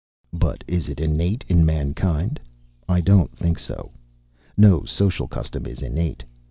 "But is it innate in mankind? I don't think so. No social custom is innate.